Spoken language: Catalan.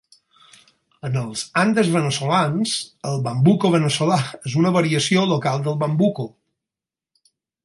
En els Andes veneçolans, el bambuco veneçolà és una variació local del bambuco.